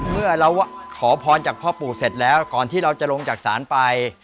เมื่อเราขอพรจากพ่อปู่เสร็จแล้วก่อนที่เราจะลงจากศาลไป